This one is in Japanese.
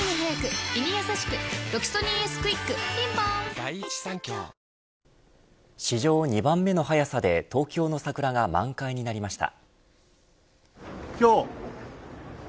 「ロキソニンＳクイック」ピンポーン史上２番目の早さで東京の桜が満開になりました。